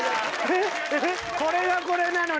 「これが、これなのに！